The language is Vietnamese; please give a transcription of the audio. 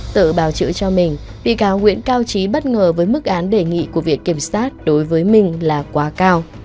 tự báo chữ cho mình bị cáo nguyễn cao trí bất ngờ với mức án đề nghị của việc kiểm soát đối với mình là quá cao